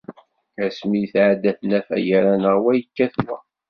Asmi i tɛedda tnafa, gar-aneɣ wa yekkat wa.